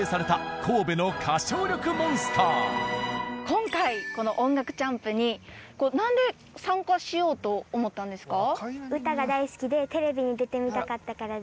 今回この『音楽チャンプ』になんで参加しようと思ったんですか？